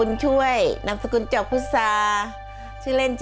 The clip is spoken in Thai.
ร้องได้ให้ร้าง